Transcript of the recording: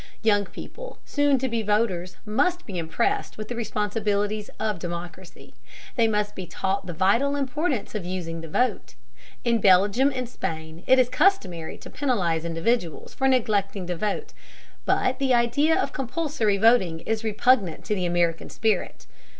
Young people, soon to be voters, must be impressed with the responsibilities of democracy. They must be taught the vital importance of using the vote. In Belgium and Spain it is customary to penalize individuals for neglecting to vote, but the idea of compulsory voting is repugnant to the American spirit.